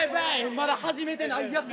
まだ始めてないやつ？